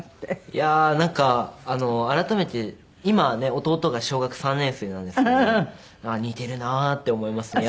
いやなんか改めて今ね弟が小学３年生なんですけど似ているなって思いますね。